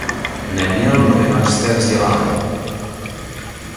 Neměl novinářské vzdělání.